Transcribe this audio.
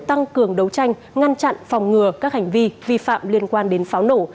tăng cường đấu tranh ngăn chặn phòng ngừa các hành vi vi phạm liên quan đến pháo nổ